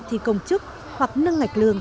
thì công chức hoặc nâng ngạch lương